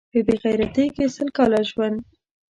په بې غیرتۍ کې سل کاله ژوند